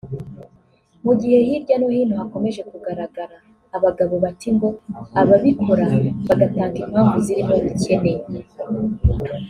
Mu gihe hirya no hino hakomeje kugaragara abagabo bata ingo ababikora bagatanga impamvu zirimo ubukene